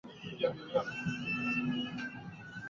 Haruna Niyonzima